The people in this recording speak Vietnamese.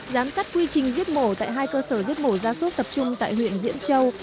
giám sát quy trình giết mổ tại hai cơ sở giết mổ ra súc tập trung tại huyện diễn châu